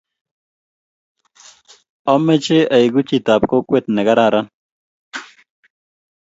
ameche aleku chitab kokwet ne kararan